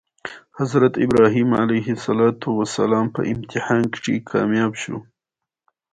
لغمانی سره راغلی یم.